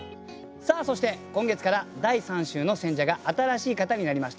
さあそして今月から第３週の選者が新しい方になりました。